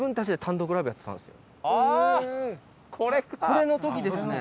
これの時ですね。